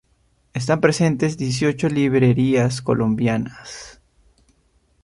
Están presentes dieciocho librerías colombianas.